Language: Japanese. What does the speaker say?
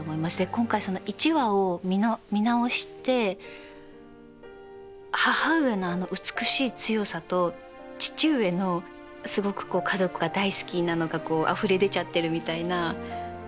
今回その１話を見直して母上のあの美しい強さと父上のすごくこう家族が大好きなのがあふれ出ちゃってるみたいな。